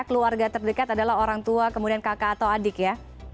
keluarga terdekat adalah orang tua kemudian kakak atau adik ya